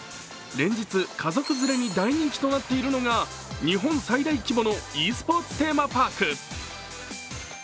連日、家族連れに大人気となっているのが日本最大規模のｅスポーツテーマパーク。